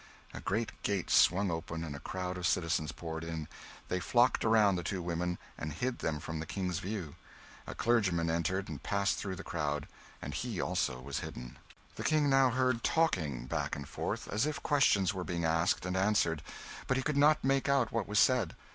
A great gate swung open, and a crowd of citizens poured in. They flocked around the two women, and hid them from the King's view. A clergyman entered and passed through the crowd, and he also was hidden. The King now heard talking, back and forth, as if questions were being asked and answered, but he could not make out what was said.